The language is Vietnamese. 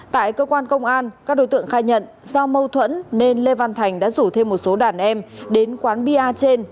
tại cơ quan công an các đối tượng khai nhận do mâu thuẫn nên lê văn thành đã rủ thêm một số đàn em đến quán bia trên